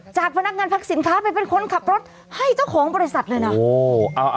จากพนักงานพักสินค้าไปเป็นคนขับรถให้เจ้าของบริษัทเลยนะ